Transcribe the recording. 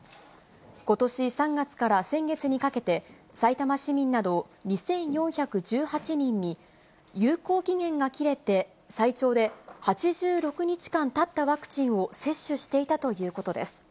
ことし３月から先月にかけて、さいたま市民など２４１８人に、有効期限が切れて最長で８６日間たったワクチンを接種していたということです。